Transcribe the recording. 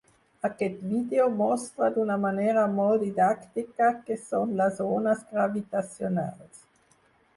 Aquest vídeo mostra d’una manera molt didàctica què són les ones gravitacionals.